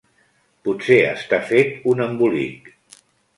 Potser està fet un embolic.